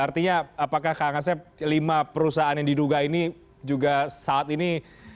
artinya apakah kang asep lima perusahaan yang diduga ini juga saat ini